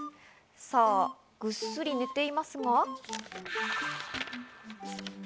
さあ、ぐっすり寝ていますが。